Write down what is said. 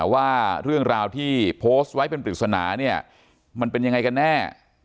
ว่าเรื่องราวที่โพสต์ไว้เป็นปริศนาเนี่ยมันเป็นยังไงกันแน่